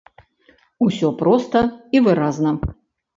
Усё проста і выразна.